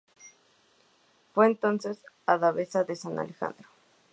Fue entonces abadesa de San Alejandro.